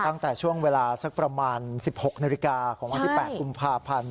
ตั้งแต่ช่วงเวลาสักประมาณ๑๖นาฬิกาของวันที่๘กุมภาพันธ์